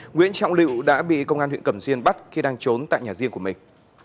nguyễn trọng liệu đã bị công an huyện cẩm xuyên bắt khi đang trốn tại nhà riêng của mình